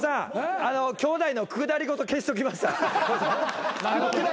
兄弟のくだりごと消しときました。